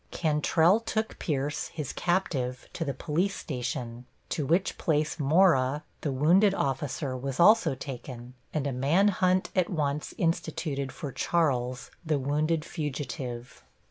Cantrelle took Pierce, his captive, to the police station, to which place Mora, the wounded officer, was also taken, and a man hunt at once instituted for Charles, the wounded fugitive.